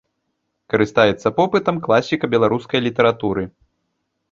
Карыстаецца попытам класіка беларускай літаратуры.